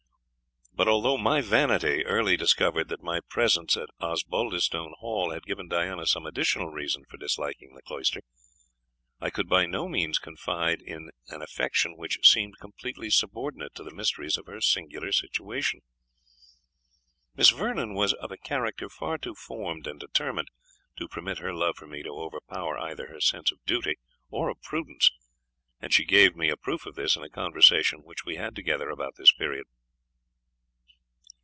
But although my vanity early discovered that my presence at Osbaldistone Hall had given Diana some additional reason for disliking the cloister, I could by no means confide in an affection which seemed completely subordinate to the mysteries of her singular situation. Miss Vernon was of a character far too formed and determined, to permit her love for me to overpower either her sense of duty or of prudence, and she gave me a proof of this in a conversation which we had together about this period.